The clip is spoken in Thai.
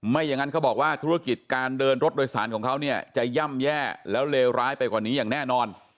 ไม่อย่างนั้นเขาบอกว่าธุรกิจการเดินรถโดยสารของเขาเนี่ยจะย่ำแย่แล้วเลวร้ายไปกว่านี้อย่างแน่นอน